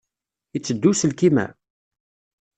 Yetteddu uselkim-a?